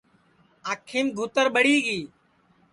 آنکھیم گُھتر ٻڑی گی